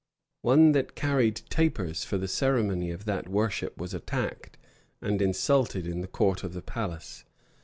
One that carried tapers for the ceremony of that worship was attacked and insulted in the court of the palace.